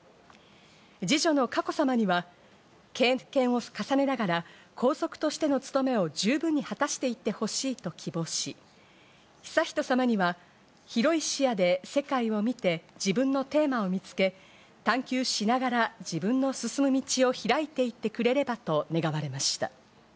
二女の佳子さまには、経験を重ねながら、皇族としての務めを十分に果たしていってほしいと希望し、悠仁さまには、広い視野で世界を見て、自分のテーマを見つけ、探究しながら自分の進む道をひらいていってくれればと願われました。